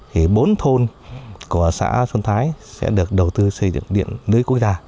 thì bốn thôn của xã xuân thái sẽ được đầu tư xây dựng điện lưới quốc gia